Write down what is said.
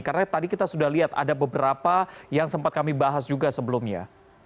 karena tadi kita sudah lihat ada beberapa yang sempat kami bahas juga sebelumnya